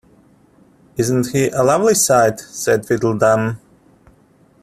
‘Isn’t he a lovely sight?’ said Tweedledum.